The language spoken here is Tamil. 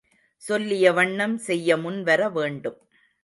சொல்லியவண்ணம் செய்ய முன்வர வேண்டும்.